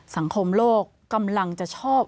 บางคนของโลกกำลังจะชอบ